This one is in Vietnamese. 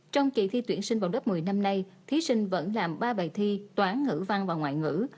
trong kỳ thi tuyển sinh vào lớp một mươi năm nay thí sinh vẫn làm ba bài thi toán ngữ văn và ngoại ngữ